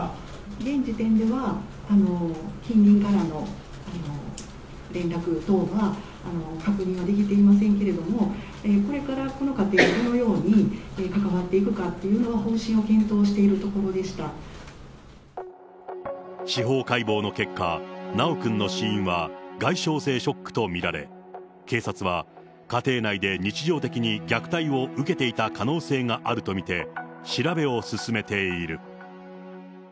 現時点では、近隣からの連絡等は確認はできていませんけれども、これからこの家庭とどのように関わっていくかというのは、方針を司法解剖の結果、修くんの死因は外傷性ショックと見られ、警察は家庭内で日常的に虐待を受けていた可能性があると見て、調べを進めている。